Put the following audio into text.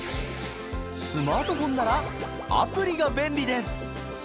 スマートフォンならアプリが便利です。